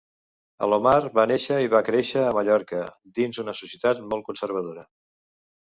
Alomar va néixer i va créixer a Mallorca, dins una societat molt conservadora.